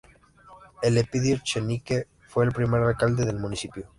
Elpidio Echenique, fue el primer alcalde del municipio.